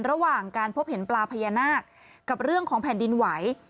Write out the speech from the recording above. ระหว่างการพบเห็นปลาพญานาคกับเรื่องของแผ่นดินไหว